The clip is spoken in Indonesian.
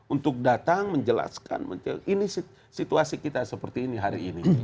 untuk datang menjelaskan ini situasi kita seperti ini hari ini